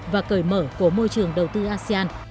và cởi mở của môi trường đầu tư asean